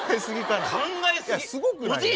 いやすごくない？